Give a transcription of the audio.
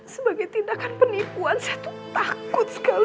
sebagai tindakan penipuan saya tuh takut sekali